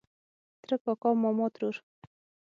ترۀ کاکا ماما ترور